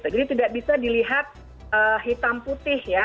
jadi tidak bisa dilihat hitam putih ya